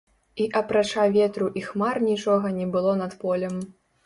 І апрача ветру і хмар нічога не было над полем.